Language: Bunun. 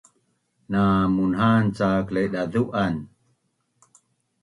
Na munha’an cak Laidazu’an